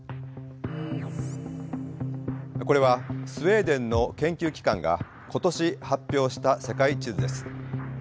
これはスウェーデンの研究機関が今年発表した世界地図です。